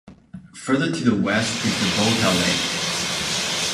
Further to the west is the Volta Lake.